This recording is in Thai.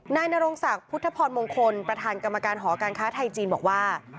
นายนรงศักดิ์พุทธพรมงคลประธานกรรมการหอการค้าไทยจีนบอกว่า